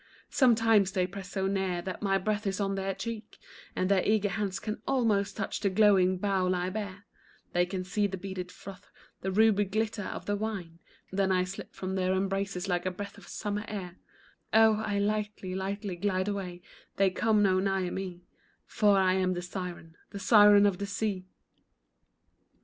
Sometimes they press so near that my breath is on their cheek, And their eager hands can almost touch the glowing bowl I bear, They can see the beaded froth, the ruby glitter of the wine, Then I slip from their embraces like a breath of summer air; Oh, I lightly, lightly glide away, they come no nigher me, For I am the siren, the siren of the sea.